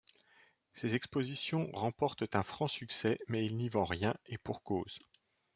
Ses expositions remportent un franc succès mais il n’y vend rien, et pour cause.